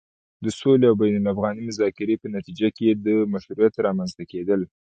د سولې او بين الافغاني مذاکرې په نتيجه کې د مشروعيت رامنځته کېدل